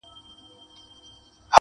چي زه ویښ وم که ویده وم؛